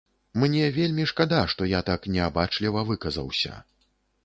Мне вельмі шкада, што я так неабачліва выказаўся.